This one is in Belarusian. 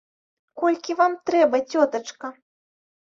Колькі вам трэба, цётачка?